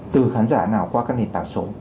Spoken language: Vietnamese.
từ khán giả nào qua các nền tảng số